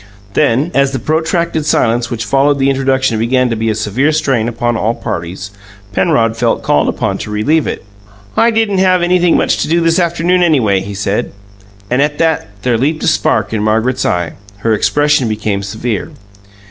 Then, as the protracted silence which followed the introduction began to be a severe strain upon all parties, Penrod felt called upon to relieve it. "I didn't have anything much to do this afternoon, anyway," he said. And at that there leaped a spark in Margaret's eye; her expression became severe.